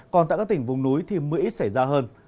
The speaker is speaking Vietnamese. còn tại các tỉnh vùng núi thì mưa ít xảy ra hơn